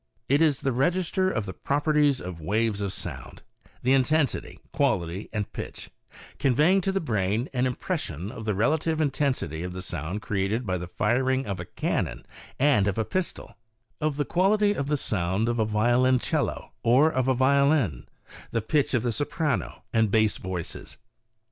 It is the register of the properties of waves of sound — the intensity, quality and pitch — conveying to the brain an impression of the relative intensity of the sound created by the firing of a cannon and of a pistol; of the quality of the sound of a violoncello or of a violin — the pitch of the soprano and bass voices.